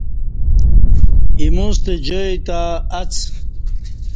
ایموستہ جای تہ اڅ۔